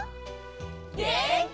げんき！